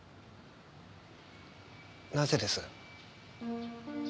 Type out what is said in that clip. なぜです？